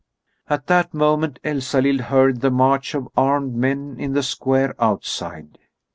At that moment Elsalill heard the march of armed men in the square outside.